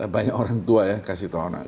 banyak orang tua ya kasih tau anak